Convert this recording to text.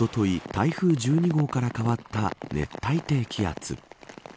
台風１２号から変わった熱帯低気圧。